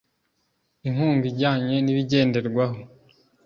inkunga ijyanye n ibigenderwaho